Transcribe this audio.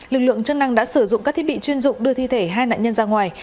lực lượng chức năng đã sử dụng các thiết bị chuyên dụng đưa thi thể hai nạn nhân ra ngoài